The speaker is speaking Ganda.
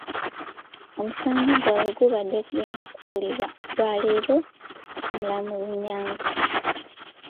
Omusango gwabwe gubadde gugenda kuwulirwa olwaleero omulamuzi Nyanzi.